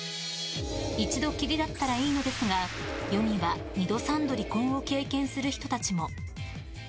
一度きりだったらいいのですが世には二度三度離婚を経験する人たちも。